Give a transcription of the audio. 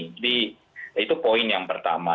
jadi itu poin yang pertama